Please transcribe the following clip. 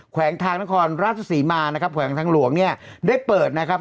แขวงทางนครราชศรีมานะครับแขวงทางหลวงเนี่ยได้เปิดนะครับ